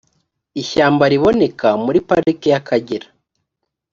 ishyamba riboneka muri parike y’akagera